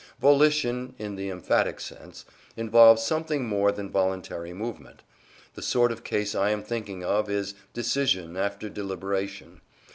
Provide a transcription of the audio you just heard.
Volition, in the emphatic sense, involves something more than voluntary movement. The sort of case I am thinking of is decision after deliberation.